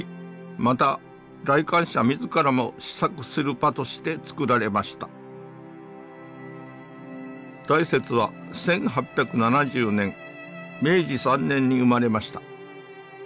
また来館者自らも思索する場としてつくられました大拙は１８７０年明治３年に生まれました。